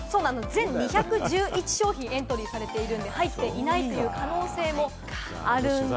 全２１１商品がエントリーされていますので、入っていない可能性もあります。